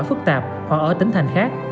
phức tạp hoặc ở tỉnh thành khác